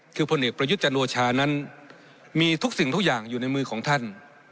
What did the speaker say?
คือพลเอกประยุทธ์จันโอชานั้นมีทุกสิ่งทุกอย่างอยู่ในมือของท่าน